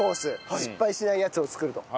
失敗しないやつを作ると。